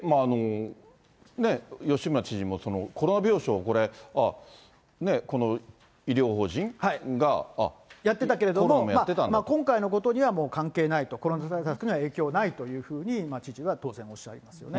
吉村知事もコロナ病床、これ、やってたけれども、今回のことにはもう関係ないと、コロナ対策には影響ないというふうに知事は当然おっしゃいますよ